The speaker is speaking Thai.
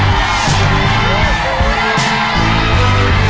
ช่วยกันนะครับ